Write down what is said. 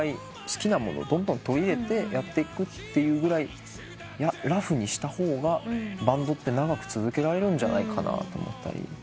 好きなものをどんどん取り入れてやっていくっていうぐらいラフにした方がバンドって長く続けられるんじゃないかなと思ったり。